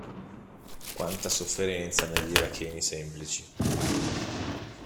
Quanta sofferenza negli iracheni semplici!